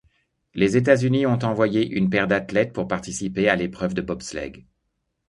Les États-Unis ont envoyé une paire d'athlètes pour participer à l'épreuve de bobsleigh.